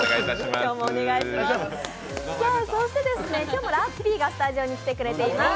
そして今日もラッピーがスタジオに来てくれています。